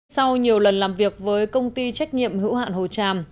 sau nhiều lần làm việc với công ty trách nhiệm hữu hạn hồ tràm